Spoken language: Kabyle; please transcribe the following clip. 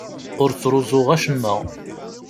Ur ttruẓuɣ acemma.